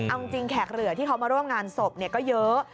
เอาจริงแขกเหลือที่เขามาร่วมงานศพก็เยอะ